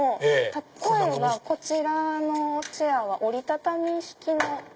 例えばこちらのチェアは折り畳み式の。